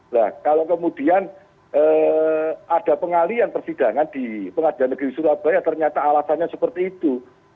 nah kalau kemudian ada pengalian persidangan di pengadilan negeri surabaya ternyata alasannya seperti itu